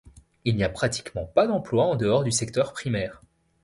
Il n'y a pratiquement pas d'emplois en dehors du secteur primaire.